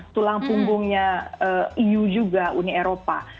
tulang punggungnya eu juga uni eropa